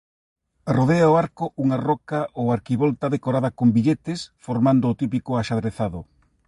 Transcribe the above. Arrodea o arco unha roca ou arquivolta decorada con billetes formando o típico axadrezado.